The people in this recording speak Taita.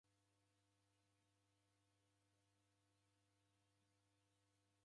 Majala nio ufwane kuluya icho kifumbi.